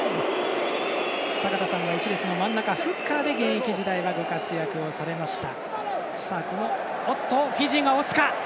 坂田さんは１列の真ん中、フッカーで現役時代はご活躍をされました。